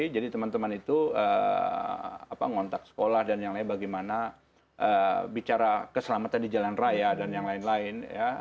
jadi teman teman itu ngontak sekolah dan yang lain bagaimana bicara keselamatan di jalan raya dan yang lain lain